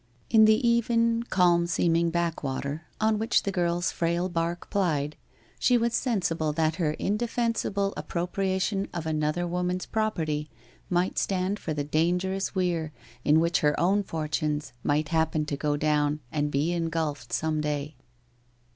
In the even, calm seeming backwater on which the girl's frail barque plied, she was sensible that her indefensible appro priation of another woman's property might stand for the dangerous weir in which her own fortunes might happen to go down and be engulfed some day.